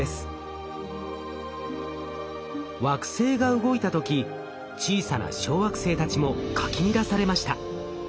惑星が動いた時小さな小惑星たちもかき乱されました。